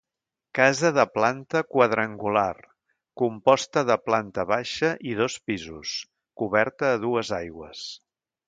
Casa de planta quadrangular, composta de planta baixa i dos pisos coberta a dues aigües.